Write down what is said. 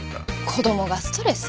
子供がストレス？